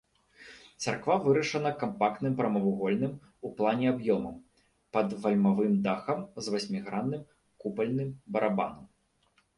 Царква вырашана кампактным прамавугольным у плане аб'ёмам пад вальмавым дахам з васьмігранным купальным барабанам.